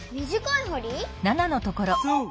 そう。